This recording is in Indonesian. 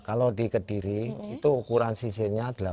kalau di kediri itu ukuran sisinya delapan puluh